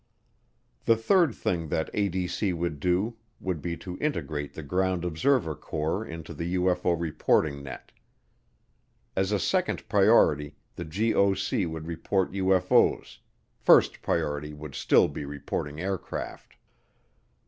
The third thing that ADC would do would be to integrate the Ground Observer Corps into the UFO reporting net. As a second priority, the GOC would report UFO's first priority would still be reporting aircraft.